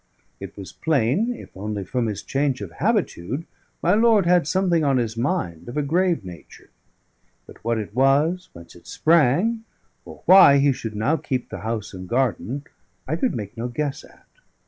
It was plain, if only from his change of habitude, my lord had something on his mind of a grave nature; but what it was, whence it sprang, or why he should now keep the house and garden, I could make no guess at.